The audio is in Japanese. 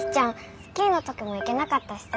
スキーの時も行けなかったしさ。